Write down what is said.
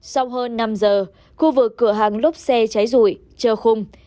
sau hơn năm giờ khu vực cửa hàng lốp xe cháy rụi trơ khung